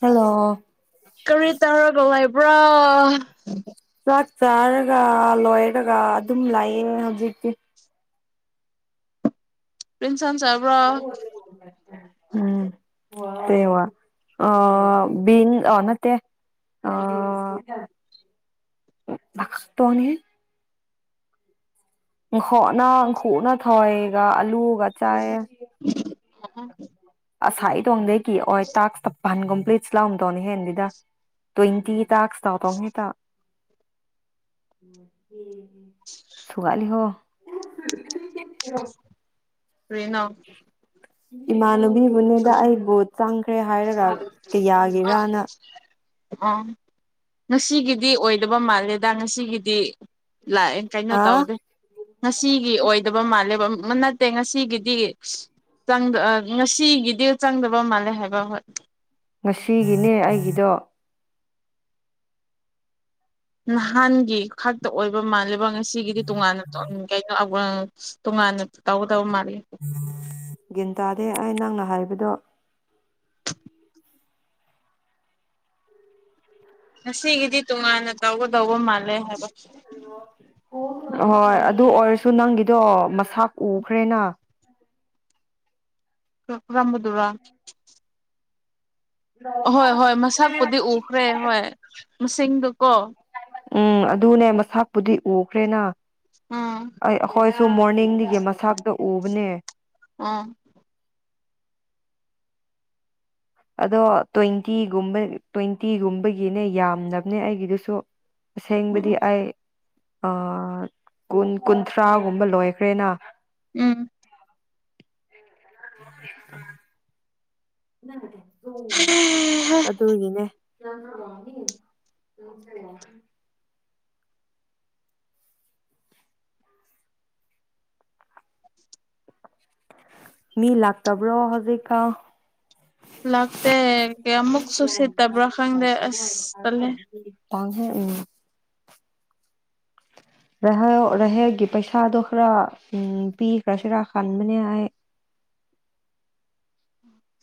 Hello ꯀꯔꯤ ꯇꯧꯔꯒ ꯂꯩꯕ꯭ꯔꯣ ꯆꯥꯛ ꯆꯥꯔꯒ ꯂꯣꯏꯔꯒ ꯑꯗꯨꯝ ꯂꯥꯛꯑꯦ ꯍꯧꯖꯤꯛꯇꯤ ꯀꯩ ꯌꯦꯟꯁꯥꯡ ꯆꯥꯕ꯭ꯔꯣ ꯎꯝ ꯁꯕꯥ [inaudible] ꯑ ꯕꯤ ꯅ ꯑ ꯇꯅꯤ [inaudible] [inaudible] ꯉꯪꯈꯣꯛꯅ ꯑꯪꯈꯨꯅ ꯊꯋꯥꯏꯒ ꯑꯂꯨꯒ ꯆꯥꯏꯑ ꯑ [inaudible] ꯑꯁꯥ ꯏꯗꯣꯡꯗꯒꯤꯩꯒꯤ ꯑꯣꯏ ꯇꯥꯛꯞ [inaudible] ꯄꯟ ꯀꯝꯄ꯭ꯂꯤꯠꯁ ꯂꯥꯎꯝ ꯇꯧꯅꯦ ꯍꯦꯦꯟꯗꯤꯗ ꯇ꯭ꯋꯦꯟꯇꯤ ꯇꯁ ꯇꯧ ꯇꯧ ꯍꯦꯛꯇ [inaudible] [unintelligible] ꯁꯨꯒꯠꯂꯤ ꯍꯣ [inaudible] ꯀꯔꯤꯅꯣ ꯏꯃꯥꯟꯅꯕꯤꯕꯨꯅꯤꯗ ꯑꯩꯕꯨ ꯆꯪꯈ꯭ꯔꯦ ꯍꯥꯏꯔꯒ ꯑꯥ ꯀꯌꯥꯒꯤꯔꯅ ꯑ [inaudible] ꯉꯁꯤꯒꯤꯗꯤ ꯑꯣꯏꯗꯕ ꯃꯥꯜꯂꯦꯗ ꯉꯁꯤꯒꯤꯗꯤ ꯂꯥꯛꯑꯦ ꯀꯩꯅꯣ ꯍꯥ ꯇꯧꯗꯦ ꯉꯁꯤꯒꯤ ꯑꯣꯏꯗꯕ ꯃꯥꯜꯂꯦꯕ ꯑꯃ ꯅꯠꯇꯦ ꯉꯁꯤꯒꯤꯗꯤ ꯉꯁꯤꯒꯤꯗꯤ ꯆꯪꯗꯕ ꯃꯥꯜꯂꯦ ꯍꯥꯏꯕ ꯍꯣꯏ ꯉꯁꯤꯒꯤꯅꯦ ꯑꯩꯒꯤꯗꯣ ꯅꯍꯥꯟꯒꯤ ꯈꯥꯛꯇ ꯑꯣꯏꯕ ꯃꯥꯜꯂꯤꯕꯥ ꯉꯁꯤꯒꯤꯗꯤ ꯇꯣꯉꯥꯟꯅ ꯎꯝ ꯀꯩꯅꯣ [unintelligible] ꯇꯣꯉꯥꯟꯅ ꯇꯧꯒꯗꯧꯕ ꯃꯥꯜꯂꯤ ꯒꯤꯟ ꯇꯥꯗꯦ ꯑꯩ ꯅꯪꯅ ꯍꯥꯏꯕꯗꯣ ꯉꯁꯤꯒꯤꯗꯤ ꯇꯣꯉꯥꯟꯅ ꯇꯧꯒꯗꯧꯕ ꯃꯥꯜꯂꯦ ꯍꯥꯏꯕ ꯑꯣꯏ ꯑꯗꯨ ꯑꯣꯏꯔꯁꯨ ꯅꯪꯒꯤꯗꯣ ꯃꯁꯥꯛ ꯎꯈ꯭ꯔꯦꯅ ꯔꯣꯠꯔꯝꯕꯗꯨꯔꯥ ꯑꯣ ꯍꯣꯏ ꯍꯣꯏ ꯃꯁꯛꯄꯨꯗꯤ ꯎꯈ꯭ꯔꯦ ꯍꯣꯏ ꯃꯁꯤꯡꯗꯨꯀꯣ ꯎꯝ ꯑꯗꯨꯅꯦ ꯃꯁꯛꯄꯨꯗꯤ ꯎꯈ꯭ꯔꯦꯅ ꯎꯝ ꯑꯩ ꯑꯩꯈꯣꯏꯁꯨ ꯃꯣꯔꯅꯤꯡꯒꯤ ꯃꯁꯇꯣ ꯎꯕꯅꯦ ꯑꯥ ꯑꯗꯣ ꯇ꯭ꯋꯦꯟꯇꯤꯒꯨꯝꯕ ꯇ꯭ꯋꯦꯟꯇꯤꯒꯨꯝꯕꯒꯤꯅꯦ ꯌꯥꯝꯅꯕꯅꯦ ꯑꯩꯒꯤꯗꯨꯁꯨ ꯑꯁꯦꯡꯕꯗꯤ ꯎꯝ ꯑꯩ ꯑꯥ ꯀꯨꯟ ꯀꯨꯟꯊ꯭ꯔꯥꯒꯨꯝꯕ ꯂꯣꯏꯈ꯭ꯔꯦꯅ ꯎꯝ [unintelligible] ꯑꯗꯨꯒꯤꯅꯦ [unintelligible] ꯃꯤ ꯂꯥꯛꯇꯕ꯭ꯔꯣ ꯍꯧꯖꯤꯛꯀ ꯂꯥꯛꯇꯦ ꯀꯌꯥꯃꯨꯛ ꯇꯜꯂꯦ [unintelligible] ꯇꯥꯡꯍꯦ ꯎꯝ [inaudible] ꯔꯩꯍꯥꯏꯌꯣ ꯔꯩꯍꯦꯜꯒꯤ ꯄꯩꯁꯥꯗꯣ ꯈꯔ ꯎꯝ ꯄꯤꯈ꯭ꯔꯁꯤꯔꯥ ꯈꯟꯕꯅꯦ ꯑꯩ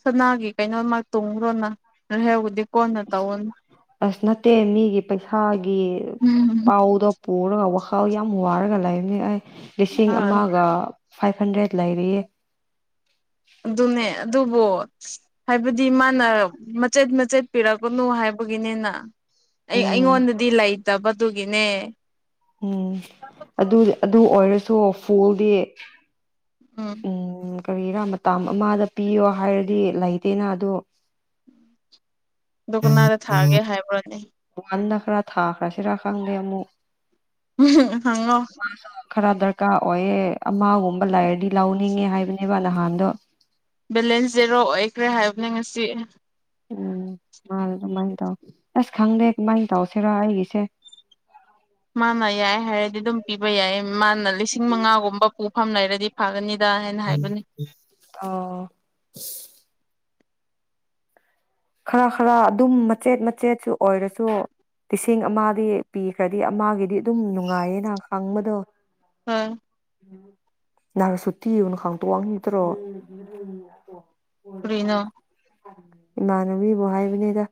ꯁꯅꯥꯒꯤ ꯀꯩꯅꯣꯃ ꯇꯣꯡꯈ꯭ꯔꯣꯅ ꯔꯍꯦꯌꯣꯒꯤꯗꯤ ꯀꯣꯟꯅ ꯇꯧꯋꯣꯅ ꯑꯁ ꯅꯠꯇꯦ ꯃꯤꯒꯤ ꯄꯩꯁꯥꯒꯤ ꯎꯝ ꯄꯥꯎꯗꯣ ꯄꯨꯔꯒ ꯋꯥꯈꯜ ꯌꯥꯝ ꯋꯥꯔꯒ ꯂꯩꯕꯅꯤ ꯑꯩ ꯂꯤꯁꯤꯡ ꯑ ꯑꯃꯒ ꯐꯥꯏꯚ ꯍꯟꯗ꯭ꯔꯦꯗ ꯂꯩꯔꯤꯌꯦ ꯑꯗꯨꯅꯦ ꯑꯗꯨꯕꯨ ꯍꯥꯏꯕꯗꯤ ꯃꯥꯅ ꯃꯆꯦꯠ ꯃꯆꯦꯠ ꯄꯤꯔꯛꯀꯅꯨ ꯍꯥꯏꯕꯒꯤꯅꯤꯅ ꯑꯩ ꯎꯝ ꯑꯩꯉꯣꯟꯗꯗꯤ ꯂꯩꯇꯕ ꯑꯗꯨꯒꯤꯅꯦ ꯎꯝ ꯑꯗꯨ ꯑꯗꯨ ꯑꯣꯏꯔꯁꯨ ꯐꯨꯜꯗꯤ ꯎꯝ ꯀꯔꯤꯔꯥ ꯃꯇꯝ ꯑꯃꯗ ꯄꯤꯌꯣ ꯍꯥꯏꯔꯗꯤ ꯂꯩꯇꯦꯅ ꯑꯗꯣ ꯗꯨ ꯀꯅꯥꯗ ꯊꯥꯒꯦ ꯍꯥꯏꯕ꯭ꯔꯣꯅꯦ ꯋꯥꯟꯗ ꯈꯔ ꯊꯥꯈ꯭ꯔꯁꯤꯔꯥ ꯈꯪꯗꯦ ꯑꯃꯨꯛ ꯎꯍꯨꯝ ꯍꯪꯉꯣ ꯈꯔ ꯗꯔꯀꯥꯔ ꯑꯣꯏꯌꯦ ꯑꯃꯒꯨꯝꯕ ꯂꯩꯔꯗꯤ ꯂꯧꯅꯤꯡꯉꯦ ꯍꯥꯏꯕꯅꯦꯕ ꯅꯍꯥꯟꯗꯣ ꯕꯦꯂꯦꯟꯁ ꯖꯦꯔꯣ ꯑꯣꯏꯈ꯭ꯔꯦ ꯍꯥꯏꯕꯅꯦ ꯉꯁꯤ ꯎꯝ ꯃꯥ ꯑꯗꯨꯃꯥꯏꯅ ꯇꯧ ꯑꯁ ꯈꯪꯗꯦ ꯀꯃꯥꯏꯅ ꯇꯧꯁꯤꯔ ꯑꯩꯒꯤꯁꯦ ꯃꯥꯅ ꯌꯥꯏ ꯍꯥꯏꯔꯗꯤ ꯑꯗꯨꯝ ꯄꯤꯕ ꯌꯥꯏ ꯃꯥꯅ ꯂꯤꯁꯤꯡ ꯃꯉꯥꯒꯨꯝꯕ ꯄꯨꯐꯝ ꯂꯩꯔꯗꯤ ꯐꯒꯅꯤꯗ ꯍꯥꯏꯅ ꯍꯥꯏꯕꯅꯤ ꯑꯣ ꯈꯔ ꯈꯔ ꯑꯗꯨꯝ ꯃꯆꯦꯠ ꯃꯆꯦꯠꯁꯨ ꯑꯣꯏꯔꯁꯨ ꯂꯤꯁꯤꯡ ꯑꯃꯗꯤ ꯄꯤꯈ꯭ꯔꯗꯤ ꯑꯃꯒꯤꯗꯤ ꯑꯗꯨꯝ ꯅꯨꯡꯉꯥꯏꯌꯦꯅ ꯈꯪꯕꯗꯣ ꯍꯣꯏ ꯅꯍꯥꯔꯁꯨꯨꯇꯤꯅ ꯈꯥꯡꯇꯣ ꯋꯥꯡꯉꯇꯔꯣ ꯀꯩꯩꯅꯣ ꯏꯃꯥꯟꯅꯕꯤꯕꯨ ꯍꯥꯏꯕꯅꯤꯗ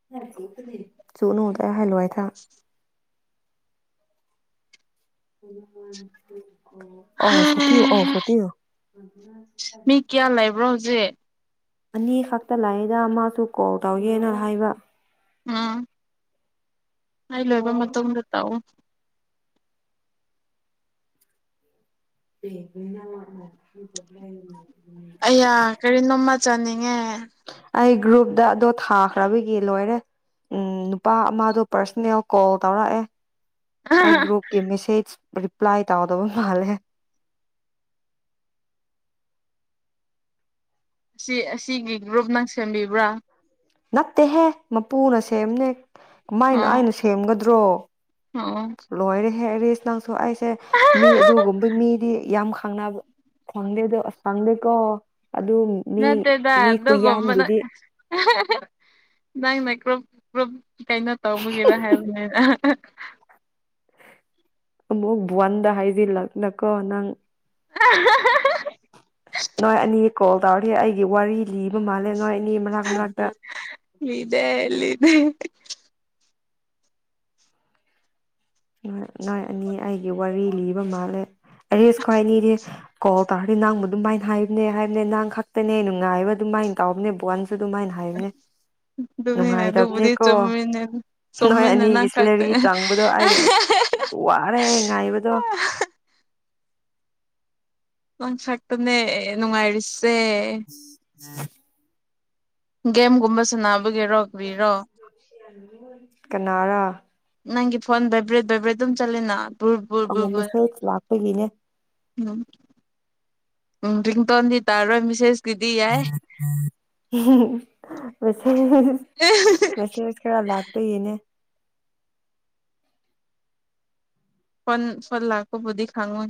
[unintelligible] [unintelligible] ꯑꯧ ꯁꯣꯇꯤ ꯑꯧ ꯁꯣꯇꯤ ꯃꯤ ꯀꯌꯥ ꯂꯩꯕ꯭ꯔꯣ ꯍꯧꯖꯤꯛ ꯑꯅꯤ ꯈꯛꯇ ꯂꯩꯗ ꯃꯥꯁꯨ ꯀꯣꯜ ꯇꯧꯒꯦꯅ ꯍꯥꯏꯕ [unintelligible] ꯑꯩ ꯂꯣꯏꯕ ꯃꯇꯨꯡꯗ ꯇꯧꯑꯣ [unintelligible] ꯑꯩꯌꯥ ꯀꯔꯤꯅꯣꯃ ꯆꯥꯅꯤꯡꯉꯦ ꯑꯩ ꯒ꯭ꯔꯨꯞꯇ ꯑꯗꯣ ꯊꯥꯈ꯭ꯔꯕꯒꯤ ꯂꯣꯏꯔꯦ ꯎꯝ ꯅꯨꯄꯥ ꯑꯃꯗꯣ ꯄꯥꯔꯁꯣꯅꯦꯜ ꯀꯣꯜ ꯇꯧꯔꯛꯑꯦ ꯑꯩ ꯒꯔꯨꯞꯀꯤ ꯃꯦꯁꯦꯖ ꯔꯤꯄ꯭ꯂꯥꯏ ꯇꯧꯗꯕ ꯃꯥꯜꯂꯦ ꯑꯁꯤ ꯑꯁꯤꯒꯤ ꯒ꯭ꯔꯨꯞ ꯅꯪ ꯁꯦꯝꯕꯤꯕ꯭ꯔꯥ ꯅꯠꯇꯦꯍꯦ ꯃꯄꯨꯅ ꯁꯦꯝꯅꯦ ꯀꯃꯥꯏꯅ ꯑꯣ ꯑꯩꯅ ꯁꯦꯝꯒꯗ꯭ꯔꯣ ꯑꯣ ꯂꯣꯏꯔꯦꯍꯦ ꯑꯩꯔꯤꯁ ꯅꯪꯁꯨ ꯑꯩꯁꯦ ꯃꯤ ꯑꯗꯨꯒꯨꯝꯕ ꯃꯤꯗꯤ ꯌꯥꯝ ꯈꯪꯅꯕ ꯈꯪꯗꯦ ꯑꯗꯨꯣ ꯑꯁ ꯈꯪꯗꯦꯀꯣ ꯑꯗꯨ ꯃꯤ ꯅꯠꯇꯦꯗ ꯃꯤ ꯑꯗꯨꯀꯨꯝꯕꯅ ꯈꯨꯌꯥꯝꯗꯨꯗꯤ ꯅꯪꯅ ꯀ꯭ꯔꯨꯞ ꯀ꯭ꯔꯨꯞ ꯀꯩꯅꯣ ꯇꯧꯕꯒꯤꯔꯥ ꯍꯥꯏꯕꯅꯤꯅ [inaudible] ꯑꯃꯨꯛ ꯕꯨꯟꯗ ꯍꯥꯏꯁꯤꯟꯂꯛꯇꯅꯀꯣ ꯅꯪ [unintelligible] ꯅꯣꯏ ꯑꯅꯤ ꯀꯣꯜ ꯇꯧꯔꯔꯤ ꯑꯩꯒꯤ ꯋꯥꯔꯤ ꯂꯤꯕ ꯃꯥꯜꯂꯦ ꯅꯣꯏ ꯑꯅꯤ ꯃꯔꯛ ꯃꯔꯛꯇ ꯂꯤꯗꯦ ꯂꯤꯗꯦ ꯅꯣꯥꯏ ꯑꯅꯤ ꯑꯩꯒꯤ ꯋꯥꯔꯤ ꯂꯤꯕ ꯃꯥꯜꯂꯦ ꯑꯦꯏꯔꯤꯁ ꯈꯣꯏ ꯑꯅꯤꯗꯤ ꯀꯣ ꯇꯥꯔꯗꯤ ꯅꯥꯡꯕ ꯑꯗꯨꯃꯥꯏꯅ ꯍꯥꯏꯕꯅꯦ ꯍꯥꯏꯕꯅꯦ ꯅꯥꯡ ꯈꯛꯇꯅꯦ ꯅꯨꯡꯉꯥꯏꯕ ꯑꯗꯨꯃꯥꯏꯅ ꯇꯥꯎꯕꯅꯦ ꯕꯣꯟꯁꯨ ꯑꯗꯨꯃꯥꯏꯅ [unintelligible] ꯑꯗꯨꯅꯤꯅꯦ ꯑꯗꯨꯕꯨꯗꯤ ꯅꯨꯡꯉꯥꯏꯇꯕꯅꯦꯀꯣ ꯆꯨꯝꯃꯤꯅꯦ ꯅꯣꯏ ꯆꯨꯝꯃꯤꯅꯦ ꯑꯅꯤꯒꯤ ꯅꯪ ꯈꯛꯇ ꯁꯤꯂꯔꯤ ꯆꯪꯕꯗꯣ ꯑꯩ ꯋꯥꯔꯦ ꯉꯥꯏꯕꯗꯣ ꯅꯪ ꯆꯠꯅ ꯅꯨꯡꯉꯥꯏꯔꯤꯁꯦ [inaudible] ꯒꯦꯝꯒꯨꯝꯕ ꯁꯅꯥꯕꯒꯤꯔꯣ ꯀꯔꯤꯔꯣ ꯀꯅꯥꯔꯥ ꯅꯪꯒꯤ ꯐꯣꯟ ꯚꯥꯏꯕ꯭ꯔꯦꯠ ꯚꯥꯏꯕ꯭ꯔꯦꯗ ꯑꯗꯨꯝ ꯆꯠꯂꯦꯅ ꯑꯣ ꯃꯦꯁꯦꯖ ꯂꯥꯛꯄꯒꯤꯅꯦ ꯎꯝ ꯎꯝ ꯔꯤꯡꯇꯣꯟꯗꯤ ꯇꯥꯔꯣꯏ ꯃꯤꯁꯦꯁ ꯃꯦꯁꯦꯁ ꯃꯦꯁꯦꯁ ꯈꯔ ꯂꯥꯛꯄꯒꯤꯅꯦ ꯐꯣꯟ ꯐꯣꯜ ꯂꯥꯛꯄꯕꯨꯗꯤ ꯈꯪꯉꯣꯏ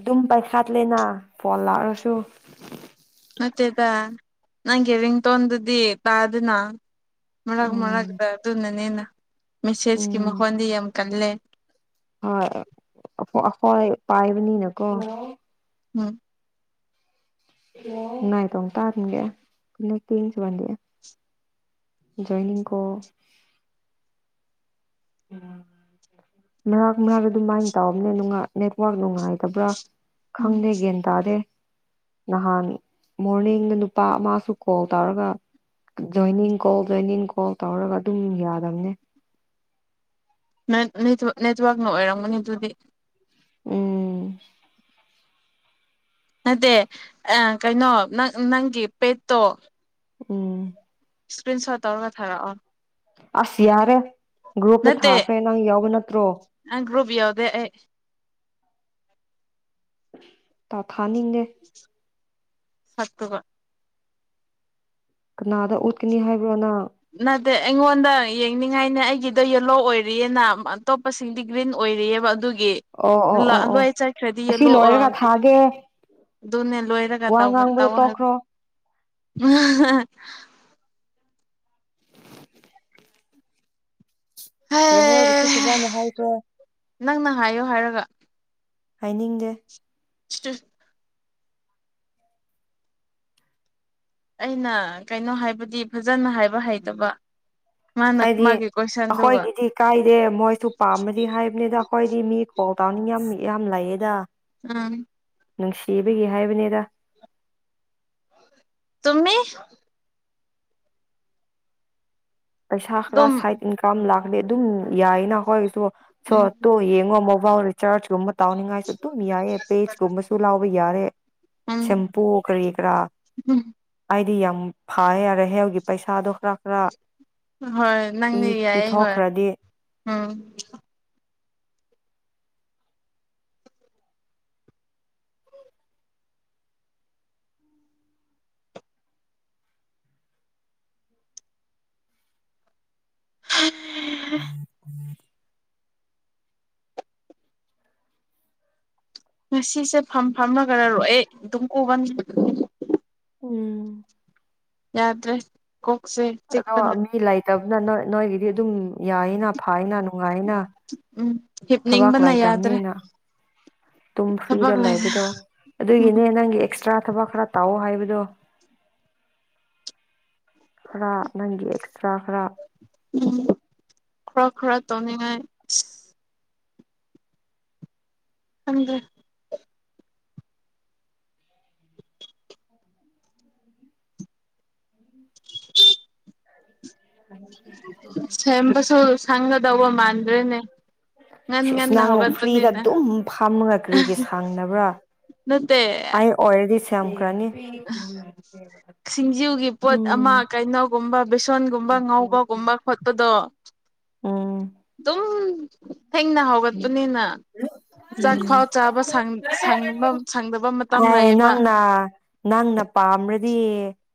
ꯑꯗꯨꯝ ꯄꯥꯏꯈꯥꯠꯂꯦꯅ ꯐꯣꯟ ꯂꯥꯛꯔꯁꯨ ꯅꯠꯇꯦꯗ ꯅꯪꯒꯤ ꯔꯤꯡꯇꯣꯟꯗꯨꯗꯤ ꯇꯥꯗꯦꯅ ꯃꯔꯛ ꯃꯔꯛ ꯎꯝ ꯑꯗꯨꯅꯅꯦꯅ ꯃꯦꯁꯦꯁꯀꯤ ꯎꯝ ꯃꯈꯣꯟꯗꯤ ꯌꯥꯝ ꯀꯜꯂꯦ ꯍꯣꯏ ꯑꯩꯈꯣꯏ ꯄꯥꯏꯕꯅꯤꯅꯀꯣ ꯎꯝ [unintelligible] ꯖꯣꯏꯅꯤꯡ ꯀꯣꯜ ꯎ ꯃꯔꯥꯛ ꯃꯔꯥꯛ ꯑꯗꯨꯃꯥꯏꯅ ꯇꯧꯕꯅꯦ ꯅꯦꯠꯋꯥꯛ ꯅꯨꯡꯉꯥꯏꯇꯕ꯭ꯔꯥ ꯎꯝ ꯈꯪꯗꯦ ꯒꯌ꯭ꯥꯟ ꯇꯥꯗꯦ ꯅꯍꯥꯟ ꯃꯣꯔꯅꯤꯡꯗ ꯅꯨꯄꯥ ꯑꯃꯁꯨ ꯀꯣꯜ ꯇꯧꯔꯒ ꯖꯣꯏꯅꯤꯡ ꯀꯣꯜ ꯖꯣꯏꯅꯤꯡ ꯀꯣꯜ ꯇꯧꯔꯒ ꯑꯗꯨꯝ ꯌꯥꯗꯝꯅꯦ ꯅꯦꯠꯋꯔꯥꯛꯅ ꯑꯣꯏꯔꯝꯒꯅꯤ ꯑꯗꯨꯗꯤ ꯎꯝ ꯅꯗꯦ ꯑ ꯀꯩꯅꯣ ꯅꯪ ꯅꯪꯒꯤ ꯄꯦꯠꯇꯣ ꯎꯝ ꯏꯁꯀ꯭ꯔꯤꯟꯁꯣꯠ ꯇꯧꯔꯒ ꯊꯥꯔꯛꯑꯣ ꯑꯁ ꯌꯥꯔꯦ ꯒ꯭ꯔꯨꯞꯇ ꯊꯥꯈ꯭ꯔꯦ ꯅꯪ ꯌꯥꯎꯕ ꯅꯠꯇ꯭ꯔꯣ ꯅꯪ ꯒꯔꯨꯞ ꯌꯥꯎꯗꯦ ꯑꯩ ꯇꯥꯎꯊꯥꯅꯤꯡꯗꯦ ꯁꯥꯛꯇꯨꯒ ꯀꯅꯥꯗ ꯎꯠꯀꯅꯤ ꯍꯥꯏꯕ꯭ꯔ ꯅꯪ ꯅꯠꯇꯦ ꯑꯩꯉꯣꯟꯗ ꯌꯦꯡꯅꯤꯡꯉꯥꯏꯅꯦ ꯑꯩꯒꯤꯗꯣ ꯌꯦꯂꯣ ꯑꯣꯏꯔꯤꯌꯦꯅ ꯑꯇꯣꯞꯄ ꯁꯤꯡꯗꯤ ꯒ꯭ꯔꯤꯟ ꯑꯣꯏꯔꯤꯑꯕ ꯑꯗꯨꯒꯤ ꯑꯣ ꯑꯣ ꯂꯣꯏ ꯆꯠꯈ꯭ꯔꯗꯤ ꯌꯦꯂꯣ ꯗꯦ ꯑꯗꯨꯅꯦ ꯂꯣꯏꯔꯒ ꯇꯩꯕ ꯇꯧꯑꯣ ꯍꯥꯏꯕꯅꯦ ꯇꯣꯛꯈ꯭ꯔꯣ ꯔꯦꯍꯥꯜ ꯌꯥꯎꯗꯔꯁꯨ ꯐꯖꯅ ꯍꯥꯏꯕ꯭ꯔꫭ ꯅꯪꯅ ꯍꯥꯏꯌꯣ ꯍꯥꯏꯔꯒ ꯍꯥꯏꯅꯤꯡꯗꯦ [unintelligible] ꯑꯩꯅ ꯀꯩꯅꯣ ꯍꯥꯏꯕꯗꯤ ꯐꯖꯅ ꯍꯥꯏꯕ ꯍꯩꯇꯕ ꯃꯥꯅ ꯑꯩꯗꯤ ꯃꯥꯒꯤ ꯀꯣꯏꯁꯟꯗꯨꯒ ꯑꯩꯈꯣꯏꯒꯤꯗꯤ ꯀꯥꯏꯗꯦ ꯃꯣꯏꯁꯨ ꯄꯥꯝꯃꯗꯤ ꯍꯥꯏꯕꯅꯤꯗ ꯑꯩꯈꯣꯏꯗꯤ ꯃꯤ ꯀꯣꯛ ꯇꯥꯎꯅꯤꯡ ꯌꯥꯝ ꯌꯥꯝ ꯂꯩꯌꯦꯗ ꯎꯝ꯫ ꯅꯨꯡꯁꯤꯕꯒꯤ ꯍꯥꯏꯕꯅꯤꯗ ꯆꯨꯝꯃꯤ ꯄꯩꯁꯥ ꯈꯔ ꯑꯗꯨꯝ ꯁꯥꯏꯠ ꯏꯟꯀꯝ ꯂꯥꯛꯗꯤ ꯑꯗꯨꯝ ꯌꯥꯏꯅ ꯑꯩꯈꯣꯏꯁꯨ ꯁꯣꯠꯇꯣ ꯌꯦꯡꯉꯣ ꯐꯥꯎꯔꯦ ꯆꯥꯔꯆ ꯀꯨꯝꯕ ꯇꯥꯎꯅꯤꯉꯥꯏꯁꯨ ꯑꯗꯨꯝ ꯌꯥꯏꯌꯦ ꯄꯦꯖ ꯀꯨꯝꯕꯁꯨ ꯂꯥꯎꯕ ꯌꯥꯔꯦ ꯎꯝ ꯁꯦꯝꯄꯨ ꯀꯔꯤ ꯀꯔꯛ ꯍꯥꯏ ꯗꯤ ꯌꯥꯝ ꯐꯥꯏ ꯌꯥꯔꯦꯍꯦ ꯍꯧꯖꯤꯛ ꯄꯩꯁꯥꯗꯣ ꯈꯔ ꯈꯔ ꯍꯣꯏ ꯄꯤ ꯅꯪꯗꯤ ꯌꯥꯏꯌꯦ ꯍꯣꯏ ꯄꯤꯊꯣꯛꯈ꯭ꯔꯗꯤ ꯎꯝ [inaudible] ꯉꯁꯤꯁꯦ ꯐꯝ ꯐꯝꯃꯒꯔꯔꯣꯛꯑꯦ ꯑꯗꯨꯝ ꯀꯣꯕꯅꯤ ꯎꯝ ꯌꯥꯗ꯭ꯔꯦ ꯀꯣꯛꯁꯦ ꯑꯗꯣ ꯆꯤꯛꯄꯅ ꯃꯤ ꯂꯩꯇꯕꯅ ꯅꫭꯏ ꯅꯣꯏꯒꯤꯗꯤ ꯑꯗꯨꯝ ꯌꯥꯏꯌꯦꯅ ꯐꯥꯏꯅ ꯅꯨꯡꯉꯥꯏꯌꯦꯅ ꯎꯝ ꯊꯕꯛ ꯍꯤꯞꯅꯤꯡꯕꯅ ꯌꯥꯗ꯭ꯔꯦ ꯂꯩꯇꯕꯅꯤꯅ ꯇꯨꯝ ꯊꯕꯛ ꯐ꯭ꯔꯤꯗ ꯂꯩꯔꯦ ꯂꯩꯕꯗꯣ ꯎꯝ ꯑꯗꯨꯒꯤꯅꯦ ꯅꯪꯒꯤ ꯑꯦꯁ ꯇꯔꯥ ꯊꯕꯛ ꯈꯔ ꯇꯧ ꯍꯥꯏꯕꯗꯣ ꯈꯔ ꯅꯪꯒꯤ ꯑꯦꯛꯁꯇ꯭ꯔꯥ ꯈꯔ ꯎꯝ ꯈꯔ ꯈꯔ ꯇꯧꯅꯤꯡꯉꯥꯏ ꯈꯪꯗꯦ [inaudible] ꯁꯦꯝꯕꯁꯨ ꯁꯪꯒꯗꯧꯕ ꯃꯥꯟꯗ꯭ꯔꯦꯅꯦ ꯉꯟ ꯁꯦꯁ ꯉꯟꯅ ꯅꯪ ꯐ꯭ꯔꯤꯗ ꯍꯧꯒꯠꯄꯅꯤꯅ ꯑꯗꯨꯝ ꯐꯥꯝꯃꯒ ꯀꯔꯤꯒꯤ ꯁꯪꯗꯕ꯭ꯔꯥ ꯅꯠꯇꯦ ꯑꯩ ꯑꯣꯏꯔꯗꯤ ꯁꯦꯝ ꯈꯔꯅꯤ ꯁꯤꯡꯖꯨꯒꯤ ꯄꯣꯠ ꯑꯃ ꯀꯩꯅꯣꯒꯨꯝꯕ ꯕꯦꯁꯣꯟꯒꯨꯝꯕ ꯉꯥꯎꯕꯒꯨꯝꯕ ꯈꯣꯠꯄꯗꯣ ꯎꯝ‌꯫ ꯑꯗꯨꯝ ꯊꯦꯡꯅ ꯍꯧꯒꯠꯄꯅꯤꯅ ꯆꯥꯛ ꯐꯥꯎ ꯆꯥꯕ ꯁꯪ ꯁꯪꯕ ꯁꯪꯗꯕ ꯃꯇꯝ ꯑꯩ ꯂꯩꯌꯦꯕ ꯅꯪꯅ ꯅꯪꯅ ꯄꯥꯝꯔꯗꯤ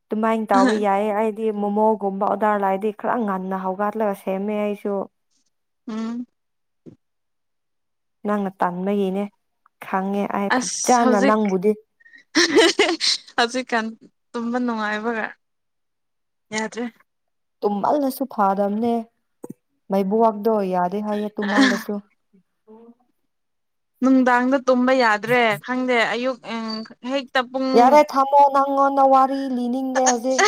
ꯑꯗꯨꯃꯥꯏꯅ ꯇꯥꯎꯕ ꯌꯥꯏ ꯑꯩ ꯃꯣꯃꯣꯒꯨꯝꯕ ꯑꯣꯔꯗꯔ ꯂꯥꯛꯑꯗꯤ ꯈꯔ ꯉꯟꯅ ꯍꯧꯒꯠꯂꯒ ꯁꯦꯝꯃꯦ ꯑꯩꯁꯨ ꯎꯝ꯫ ꯅꯪꯅ ꯇꯟꯕꯒꯤꯅꯦ ꯈꯪꯉꯦ ꯑꯩ ꯑꯁ ꯐꯖꯅ ꯍꯧꯖꯤꯛ ꯅꯪꯕꯨꯗꯤ ꯍꯧꯖꯤꯛꯀꯥꯟ ꯇꯨꯝꯕ ꯅꯨꯡꯉꯥꯏꯕꯒ ꯌꯥꯗ꯭ꯔꯤ ꯇꯨꯝꯃꯜꯂꯁꯨ ꯐꯥꯗꯝꯅꯦ ꯃꯩꯕꯨꯋꯥꯛꯗꯣ ꯌꯥꯗꯦ ꯍꯥꯏꯌꯦ ꯇꯨꯝꯃꯜꯂꯁꯨ ꯅꯨꯡꯗꯥꯡꯗ ꯇꯨꯝꯕ ꯌꯥꯗ꯭ꯔꯦ ꯈꯪꯗꯦ ꯑꯌꯨꯛ ꯎꯝ ꯍꯦꯛ ꯌꯥꯔꯦ ꯊꯝꯃꯣ ꯅꯪꯉꯣꯟꯗ ꯋꯥꯔꯤ ꯂꯤꯅꯤꯡꯗ꯭ꯔꯦ ꯍꯧꯖꯤꯛ